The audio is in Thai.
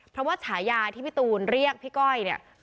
เพราะว่าฉายาที่พี่ตูนเรียกพี่ก้อยเนี่ย